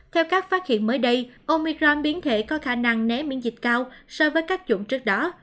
theo các phát hiện mới đây omicron biến thể có khả năng né miễn dịch cao so với các chuẩn trước đó